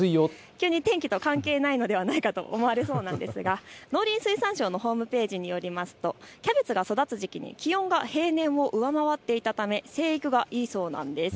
天気と関係ないのではないかと思われそうですが農林水産省のホームページによりますと気温が平年を上回っていたため生育がいいそうなんです。